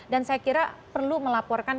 dan saya kira perlu melaporkan